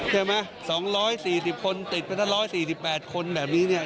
ใช่ไหม๒๔๐คนติดไปทั้ง๑๔๘คนแบบนี้เนี่ย